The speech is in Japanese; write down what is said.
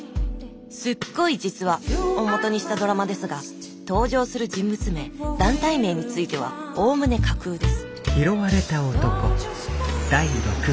すっごい実話！をもとにしたドラマですが登場する人物名団体名についてはおおむね架空です